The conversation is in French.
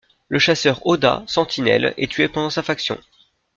Le chasseur Audat, sentinelle, est tué pendant sa faction.